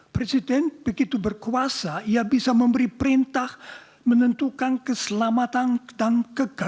presiden begitu berkuasa ia bisa memberi perintah menentukan keselamatan dan kekayaan